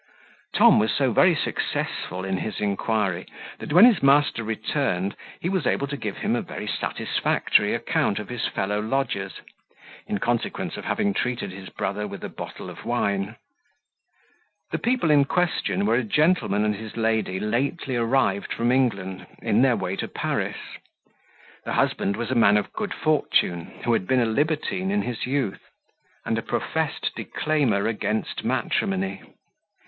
Tom was so very successful in his inquiry, that when his master returned he was able to give him a very satisfactory account of his fellow lodgers, in consequence of having treated his brother with a bottle of wine. The people in question were a gentleman and his lady lately arrived from England, in their way to Paris. The husband was a man of good fortune, who had been a libertine in his youth, and a professed declaimer against matrimony.